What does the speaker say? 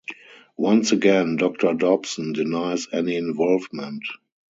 Once again, Doctor Dobson denies any involvement.